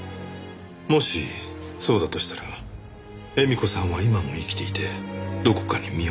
もしそうだとしたら絵美子さんは今も生きていてどこかに身を潜めてる。